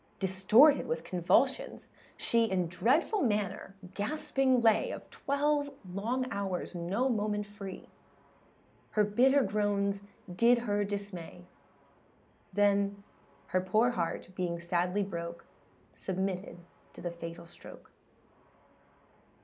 Distorted with convulsions, she, In dreadful manner gasping lay, Of twelve long hours no moment free, Her bitter groans did her dismay: Then her poor heart being sadly broke, Submitted to the fatal stroke.